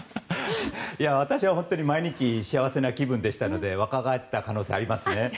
私は本当に毎日、幸せな気分でしたので若返った可能性がありますね。